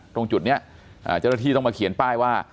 ตรงจุดนี้เจ้าหน้าที่ต้องมาเขียนป้ายว่า